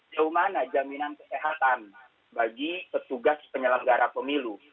jauh mana jaminan kesehatan bagi petugas penyelenggara pemilu